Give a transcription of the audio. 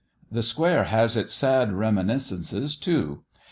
The square has its sad reminiscences too.